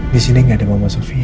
disini gak ada mama sofia